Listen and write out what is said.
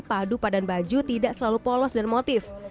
padupadan baju tidak selalu polos dan motif